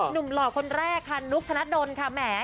หล่อคนแรกค่ะนุกธนดลค่ะแหม